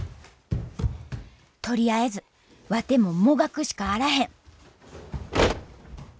とりあえずワテももがくしかあらへん